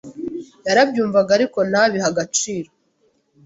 yarabyumvaga ariko ntabihe agaciro.